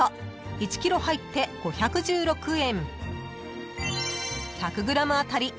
［１ｋｇ入って５１６円］